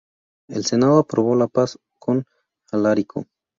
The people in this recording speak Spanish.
El Senado aprobó la paz con Alarico.